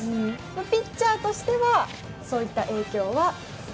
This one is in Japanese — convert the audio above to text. ピッチャーとしてはそういった影響は？